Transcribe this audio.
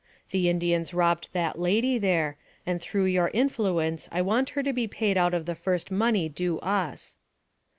The Indians robbed that lady there, and through your in fluence I want her to be paid out of the first money due us."